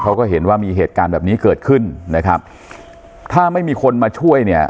เขาก็เห็นว่ามีเหตุการณ์แบบนี้เกิดขึ้นนะครับถ้าไม่มีคนมาช่วยเนี่ย